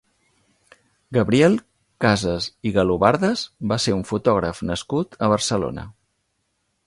Gabriel Casas i Galobardes va ser un fotògraf nascut a Barcelona.